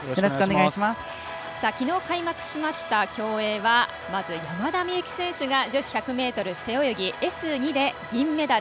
きのう開幕した競泳はまず山田美幸選手が女子１００ｍ背泳ぎＳ２で銀メダル。